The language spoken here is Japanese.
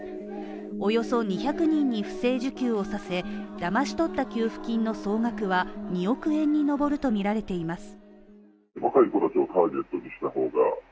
およそ２００人に不正受給をさせだまし取った給付金の総額は２億円に上るとみられています。